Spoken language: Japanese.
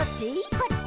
「こっち」